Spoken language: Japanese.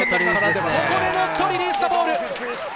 ここでノットリリースザボール。